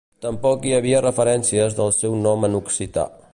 Tampoc hi havia referències del seu nom en occità.